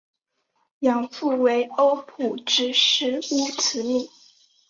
养父为欧普之狮乌兹米。